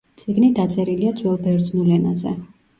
წიგნი დაწერილია ძველ ბერძნულ ენაზე.